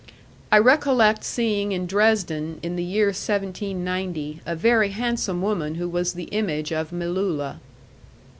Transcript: I recollect seeing in Dresden, in the year 1790, a very handsome woman who was the image of Melulla.